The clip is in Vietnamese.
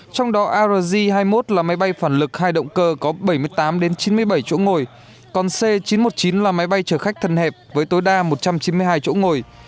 trong đó arg hai mươi một là máy bay phản lực hai động cơ có bảy mươi tám chín mươi bảy chỗ ngồi còn c chín trăm một mươi chín là máy bay chở khách thân hẹp với tối đa một trăm chín mươi hai chỗ ngồi